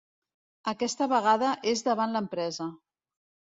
Aquesta vegada és davant l’empresa.